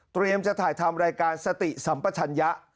จะถ่ายทำรายการสติสัมปชัญญะ